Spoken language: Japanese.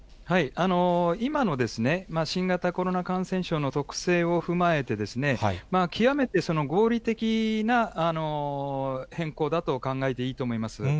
今の新型コロナ感染症の特性を踏まえて、極めて合理的な変更だと考えていいと思います。